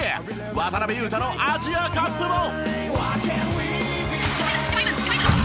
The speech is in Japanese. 渡邊雄太のアジアカップも！